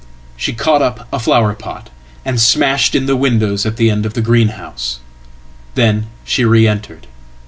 Shecaught up a flower pot and smashed in the windows at the end of thegreenhouse. Then she re entered.